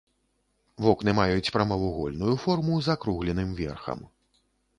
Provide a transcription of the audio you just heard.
Вокны маюць прамавугольную форму з акругленым верхам.